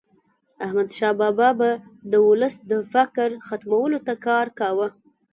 احمدشاه بابا به د ولس د فقر ختمولو ته کار کاوه.